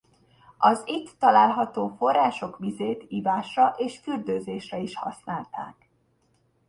Az itt található források vizét ivásra és fürdőzésre is használták.